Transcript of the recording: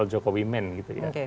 jokowi men gitu ya